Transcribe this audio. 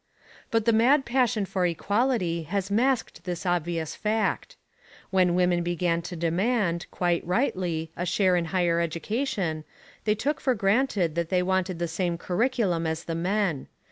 But the mad passion for equality has masked this obvious fact. When women began to demand, quite rightly, a share in higher education, they took for granted that they wanted the same curriculum as the men.